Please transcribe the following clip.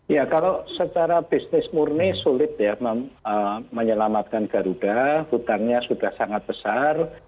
ya kalau secara bisnis murni sulit ya menyelamatkan garuda hutangnya sudah sangat besar